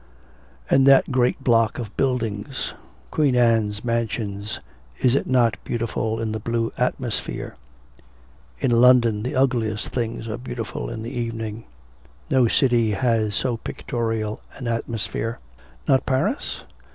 'And that great block of buildings, Queen Anne's Mansions, is it not beautiful in the blue atmosphere? In London the ugliest things are beautiful in the evening. No city has so pictorial an atmosphere.' 'Not Paris?'